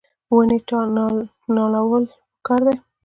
ونې نالول پکار دي